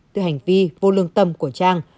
từ hành vi vô lương tâm của trang